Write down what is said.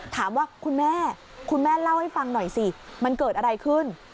ถามว่าคุณแม่คุณแม่เล่าให้ฟังหน่อยสิมันเกิดอะไรขึ้น